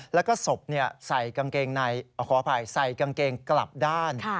แล้วก็ศพใส่กางเกงกลับด้าน